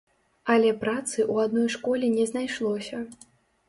Але працы ў адной школе не знайшлося.